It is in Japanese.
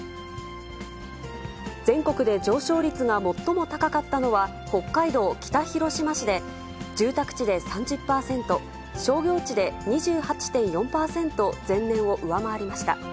全国で上昇率が最も高かったのは、北海道北広島市で、住宅地で３０％、商業地で２８．４％、前年を上回りました。